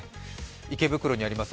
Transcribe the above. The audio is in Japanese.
池袋にあります